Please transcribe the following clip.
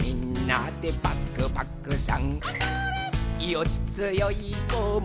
「よっつよいこも